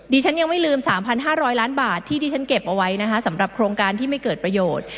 ฉันยังไม่ลืม๓๕๐๐ล้านบาทที่ที่ฉันเก็บเอาไว้นะคะสำหรับโครงการที่ไม่เกิดประโยชน์